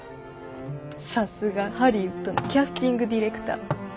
さすがハリウッドのキャスティングディレクター。